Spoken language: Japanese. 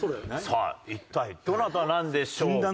さあ一体どなたなんでしょうか？